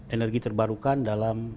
energi terbarukan dalam